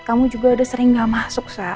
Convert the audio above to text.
kamu juga udah sering gak masuk shah